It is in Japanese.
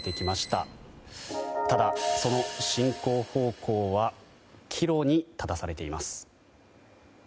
ただ、その進行方向は岐路に立たされています。